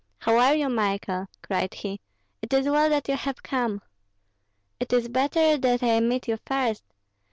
"How are you, Michael?" cried he. "It is well that you have come." "It is better that I meet you first.